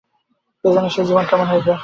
কে জানে সে জীবন কেমন হইবে?